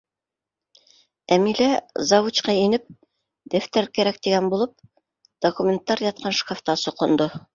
Әмилә, завучҡа инеп, дәфтәр кәрәк тигән булып, документтар ятҡан шкафта соҡондо.